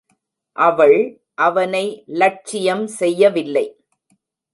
அவள் அவனை லட்சியம் செய்யவில்லை.